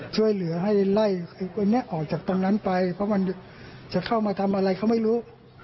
ช่วยเหลือให้ไล่คนนี้ออกจากตรงนั้นไปเพราะมันจะเข้ามาทำอะไรเขาไม่รู้